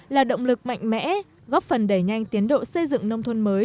là động lực mạnh mẽ góp phần đẩy nhanh tiến độ xây dựng nông thôn mới